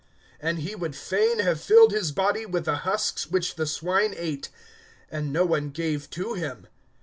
(16)And he would fain have filled his belly with the husks which the swine ate; and no one gave to him.